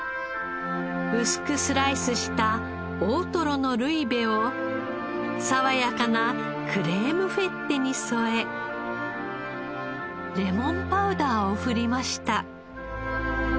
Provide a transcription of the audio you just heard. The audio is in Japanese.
薄くスライスした大トロのルイベを爽やかなクレームフェッテに添えレモンパウダーを振りました。